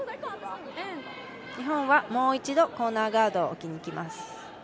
日本はもう一度、コーナーガードを置きにきます。